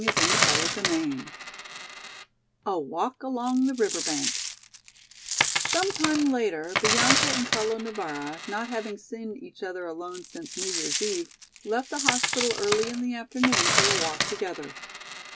CHAPTER XIII A Walk Along the River Bank SOME time later Bianca and Carlo Navara, not having seen each other alone since New Year's eve, left the hospital early in the afternoon for a walk together.